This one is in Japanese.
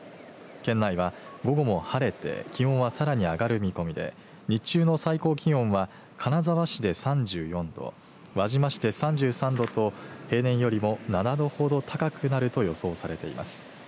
県内は午後も晴れて気温はさらに上がる見込みで日中の最高気温は金沢市で３４度輪島市で３３度と平年よりも７度ほど高くなると予想されています。